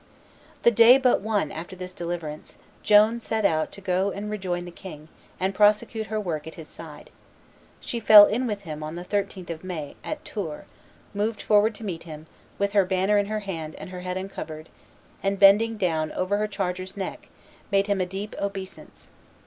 The day but one after this deliverance, Joan set out to go and rejoin the king, and prosecute her work at his side. She fell in with him on the 13th of May, at Tours, moved forward to meet him, with her banner in her hand and her head uncovered, and bending down over her charger's neck, made him a deep obeisance.